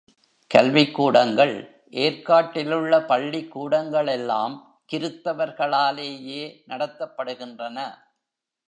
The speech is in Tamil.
கல்விக் கூடங்கள் ஏர்க்காட்டிலுள்ள பள்ளிக் கூடங்களெல்லாம் கிருத்தவர்களாலேயே நடத்தப்படுகின்றன.